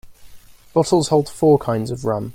Bottles hold four kinds of rum.